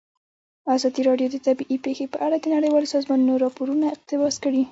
ازادي راډیو د طبیعي پېښې په اړه د نړیوالو سازمانونو راپورونه اقتباس کړي.